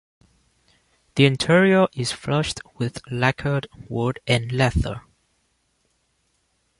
The interior is flushed with lacquered wood and leather.